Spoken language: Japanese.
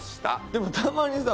でもたまにさ